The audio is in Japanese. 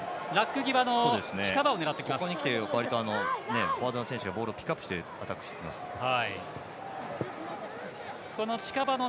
ここにきて、割とフォワードの選手がボールをピックアップしてアタックしてきますね。